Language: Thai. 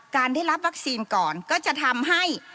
การได้รับวัคซีนก่อนก็จะทำให้